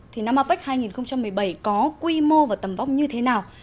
thì năm apec hai nghìn một mươi bảy có quy mô và tầm vóc như thế nào